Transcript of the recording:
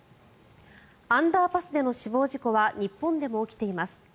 アンダーパスでの死亡事故は日本でも起きています。